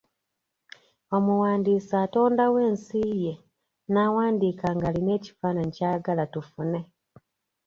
Omuwandiisi atondawo ensi ye n'awandiika ng'alina ekifaanayi ky'ayagala tufune.